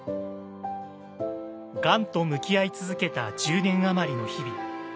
がんと向き合い続けた１０年余りの日々。